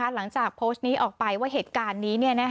หลังจากโพสต์นี้ออกไปว่าเหตุการณ์นี้